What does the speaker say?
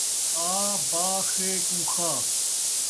آ با خے کوں خا